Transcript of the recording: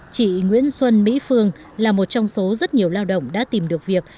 chị nguyễn xuân mỹ phương là một trong số rất nhiều lao động đã tìm được việc